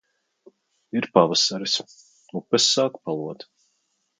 Ir pavasaris. Upes sāk palot.